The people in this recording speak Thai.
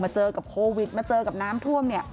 เจอกับโควิดมาเจอกับน้ำท่วมเนี่ย